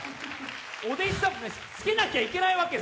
お弟子さんも着けなきゃいけないわけ？